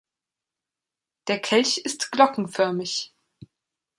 Der Kelch ist glockenförmig.